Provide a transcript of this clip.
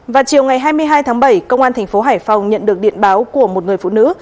và chiều ngày hai mươi hai tháng bảy công an tp hải phòng nhận được điện báo của một người phụ nữ